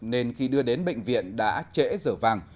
nên khi đưa đến bệnh viện đã trễ dở vàng